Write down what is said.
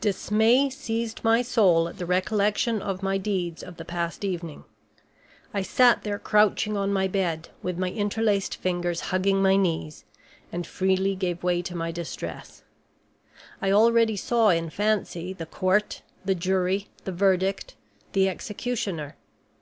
Dismay seized my soul at the recollection of my deeds of the past evening. I sat there, crouching on my bed, with my interlaced fingers hugging my knees, and freely gave way to my distress; I already saw in fancy the court, the jury, the verdict, the executioner.